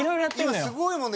今すごいもんね。